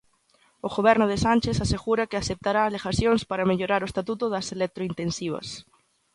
O Goberno de Sánchez asegura que aceptará alegacións para mellorar o estatuto das electrointensivas.